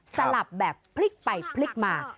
สลับแบบพลิกไปพลิกมา